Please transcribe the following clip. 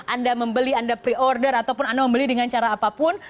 anda membeli anda pre order ataupun anda membeli dengan cara apapun